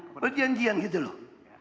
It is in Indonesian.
perjanjian gitu loh